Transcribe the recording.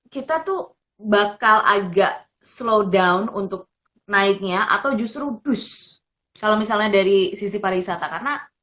kita tuh bakal agak slow down untuk naiknya atau justru dose kalau misalnya dari sisi pariwisata karena